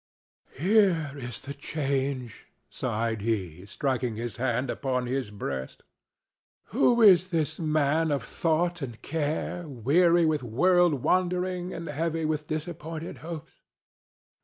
"Here is the change," sighed he, striking his hand upon his breast. "Who is this man of thought and care, weary with world wandering and heavy with disappointed hopes?